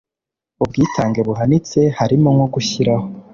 ubwitange buhanitse, harimo nko gushyiraho